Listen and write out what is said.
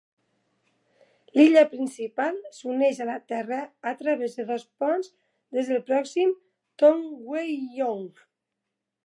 L'illa principal s'uneix a la terra a través de dos ponts des del pròxim Tongyeong.